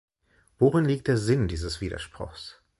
Worin liegt der Sinn dieses Widerspruchs?